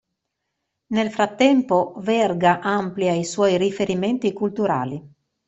Nel frattempo, Verga amplia i suoi riferimenti culturali.